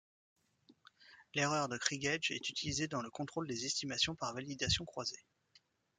L'erreur de krigeage est utilisée dans le contrôle des estimations par validation croisée.